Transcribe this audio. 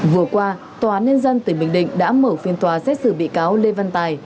vừa qua tòa nhân dân tỉnh bình định đã mở phiên tòa xét xử bị cáo lê văn tài